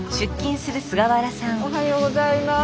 おはようございます。